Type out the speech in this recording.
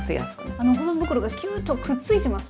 保存袋がキューッとくっついてます